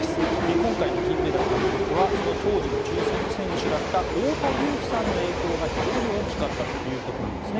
今回の金メダル獲得はその当時の中心選手だった太田雄貴さんの影響が非常に大きかったということなんですね。